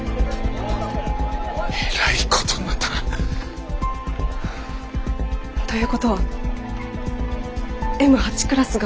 えらいことになったな。ということはＭ８クラスがもう一度。